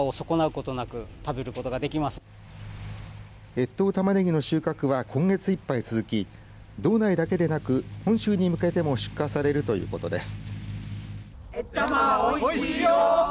越冬たまねぎの収穫は今月いっぱい続き道内だけでなく本州に向けても出荷されるということです。